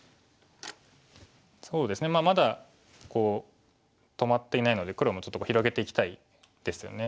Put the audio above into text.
そうですねまあまだこう止まっていないので黒もちょっと広げていきたいですよね。